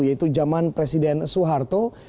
yaitu zaman presiden soeharto